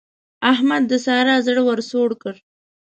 احمد د سارا زړه ور سوړ کړ.